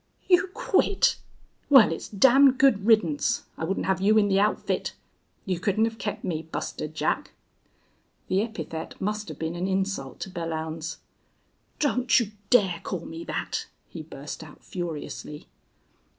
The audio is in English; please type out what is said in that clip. "You quit!... Well, it's damned good riddance. I wouldn't have you in the outfit." "You couldn't have kept me, Buster Jack." The epithet must have been an insult to Belllounds. "Don't you dare call me that," he burst out, furiously.